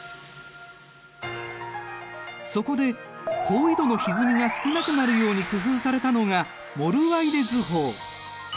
そこで高緯度のひずみが少なくなるように工夫されたのがモルワイデ図法。